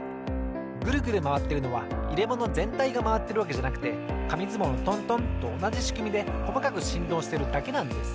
グルグルまわってるのはいれものぜんたいがまわってるわけじゃなくてかみずもうのトントンとおなじしくみでこまかくしんどうしてるだけなんです。